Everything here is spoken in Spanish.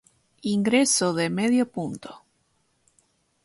Ingreso de medio punto.